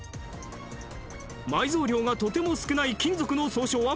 埋蔵量がとても少ない金属の総称は？